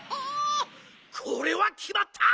これはきまった！